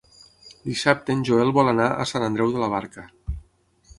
Dissabte en Joel vol anar a Sant Andreu de la Barca.